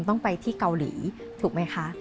ต้องไปที่เกาหลีถูกไหมคะ